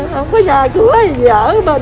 không có nhà cứu ai gì ở bên mình